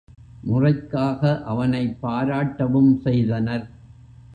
முறைக்காக அவனைப் பாராட்டவும் செய்தனர்.